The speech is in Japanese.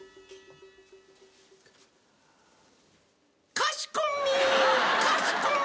かしこみかしこみ。